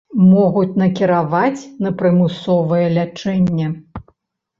Могуць накіраваць на прымусовае лячэнне.